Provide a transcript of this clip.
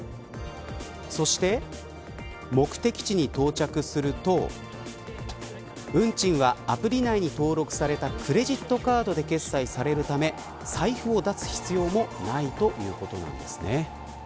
そして、目的地に到着すると運賃は、アプリ内に登録されたクレジットカードで決済されるため財布を出す必要もないということなんですね。